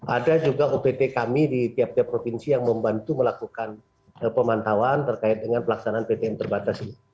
ada juga ott kami di tiap tiap provinsi yang membantu melakukan pemantauan terkait dengan pelaksanaan ptm terbatas ini